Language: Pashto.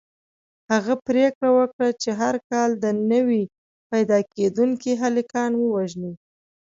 هغه پرېکړه وکړه چې هر کال دې نوي پیدا کېدونکي هلکان ووژني.